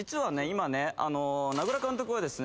今ね名倉監督はですね